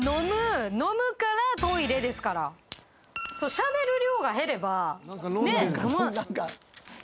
しゃべる量が減ればねっ？